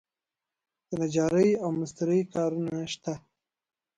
د نجارۍ او مسترۍ کارونه شته؟